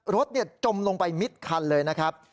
จมลงไปมิดคันเลยนะครับ